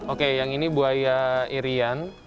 oke yang ini buaya irian